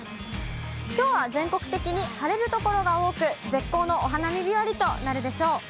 きょうは全国的に晴れる所が多く、絶好のお花見日和となるでしょう。